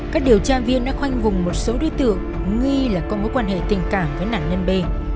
các điều tra viên đã khoanh vùng một số đối tượng nghi là có mối quan hệ tình cảm với nạn nhân b